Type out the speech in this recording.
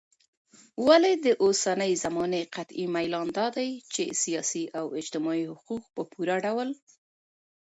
ولي داوسنۍ زماني قطعي ميلان دادى چې سياسي او اجتماعي حقوق په پوره ډول